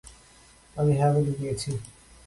আমি হ্যাঁ বলে দিয়েছি।